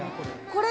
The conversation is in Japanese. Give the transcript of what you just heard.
これ。